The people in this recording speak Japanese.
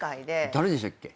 誰でしたっけ？